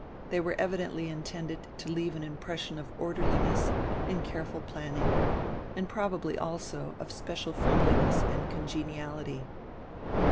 They were evidently intended to leave an impression of orderliness and careful planning, and prob ably also of special friendliness and congeniality.